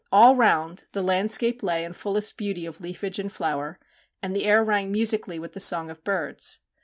All round the landscape lay in fullest beauty of leafage and flower, and the air rang musically with the song of birds.